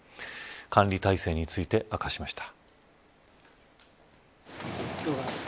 管理体制について明かしました。